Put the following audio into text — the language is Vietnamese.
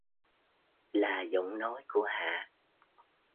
Là giọng nói của Hạ